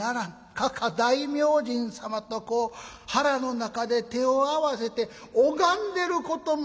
かか大明神様とこう腹の中で手を合わせて拝んでることもある。